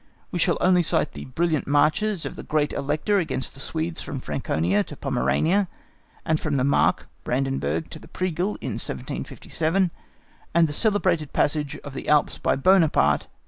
We shall only cite the brilliant marches of the Great Elector against the Swedes from Franconia to Pomerania and from the Mark (Brandenburg) to the Pregel in 1757, and the celebrated passage of the Alps by Buonaparte, 1800.